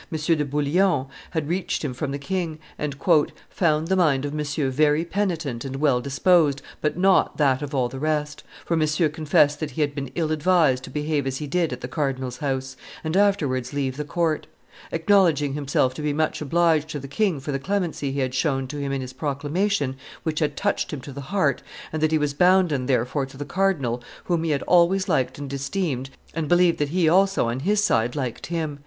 de Bullion, had reached him from the king, and "found the mind of Monsieur very penitent and well disposed, but not that of all the rest, for Monsieur confessed that he had been ill advised to behave as he did at the cardinal's house, and afterwards leave the court; acknowledging himself to be much obliged to the king for the clemency he had shown to him in his proclamation, which had touched him to the heart, and that he was bounden therefor to the cardinal, whom he had always liked and esteemed, and believed that he also on his side liked him."